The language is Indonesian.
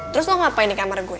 terus lo ngapain di kamar gue